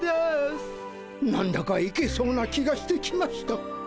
何だかいけそうな気がしてきました。